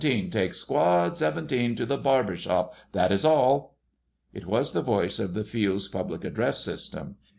Take Squad 17 to the barber shop. That is all." It was the voice of the Field's public address system.